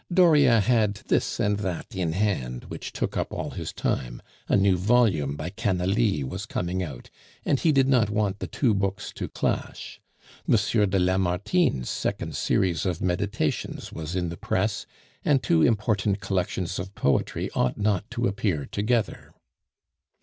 Dauriat had this and that in hand, which took up all his time; a new volume by Canalis was coming out, and he did not want the two books to clash; M. de Lamartine's second series of Meditations was in the press, and two important collections of poetry ought not to appear together.